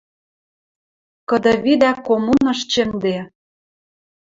Кыды видӓ коммуныш чӹмде